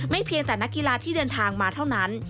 เพียงแต่นักกีฬาที่เดินทางมาเท่านั้น